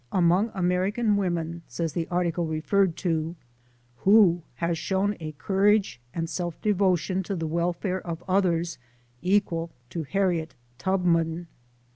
Among American women," says the article re ferred to, " who has shown a courage and self devo tion to the welfare of others, equal to Harriet Tubman?